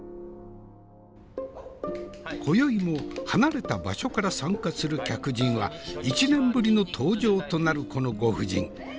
今宵も離れた場所から参加する客人は１年ぶりの登場となるこのご婦人。